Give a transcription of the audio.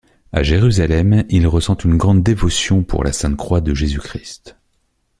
A Jérusalem il ressent une grande dévotion pour la sainte croix de Jésus-Christ.